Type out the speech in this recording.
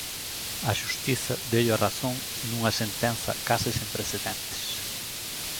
A xustiza deulle a razón nunha sentenza case sen precedentes.